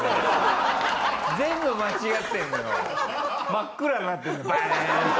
真っ暗になってんのバーンって。